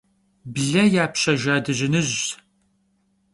Ble yapşejja dıjınıjş.